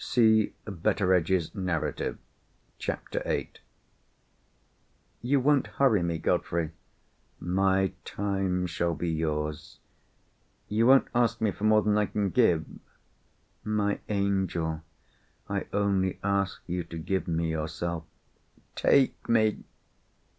See Betteredge's Narrative, chapter viii. "You won't hurry me, Godfrey?" "My time shall be yours." "You won't ask me for more than I can give?" "My angel! I only ask you to give me yourself." "Take me!"